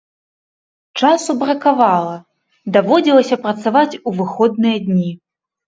Часу бракавала, даводзілася працаваць у выходныя дні.